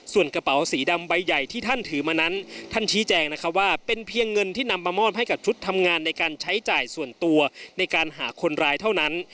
ส่วนกระเป๋าสีดำใบใหญ่ที่ท่านถือมานั้นท่านชี้แจงนะคะว่าเป็นเพียงเงินที่นำมามอบให้กับชุดทำงานในการใช้จ่ายส่วนตัวในการหาคนร้ายเท่านั้น